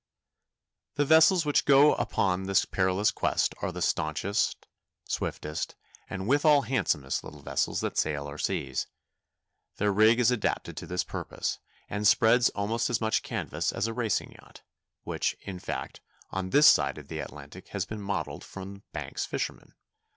The vessels which go upon this perilous quest are the stanchest, swiftest, and withal handsomest little vessels that sail our seas. Their rig is adapted to this purpose, and spreads almost as much canvas as a racing yacht, which, in fact, on this side of the Atlantic has been modeled from Banks fishermen.